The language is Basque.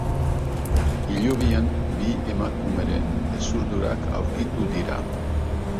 Hilobian, bi emakumeren hezurdurak aurkitu dira.